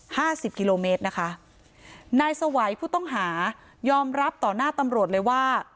สิบกิโลเมตรนะคะนายสวัยผู้ต้องหายอมรับต่อหน้าตำรวจเลยว่า